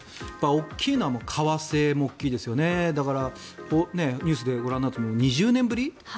大きいのは為替も大きいですよねだから、ニュースでご覧になるように２０年ぶり。